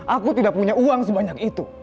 aku tidak punya uang sebanyak itu